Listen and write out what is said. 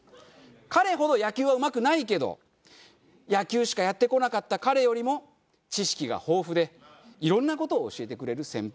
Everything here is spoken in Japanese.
彼ほど野球はうまくないけど野球しかやってこなかった彼よりも知識が豊富でいろんな事を教えてくれる先輩。